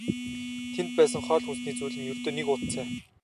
Тэнд байсан хоол хүнсний зүйл нь ердөө л нэг уут цай.